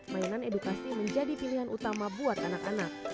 mainan edukasi menjadi pilihan utama buat anak anak